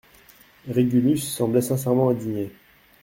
Régulus semblait sincèrement indigné.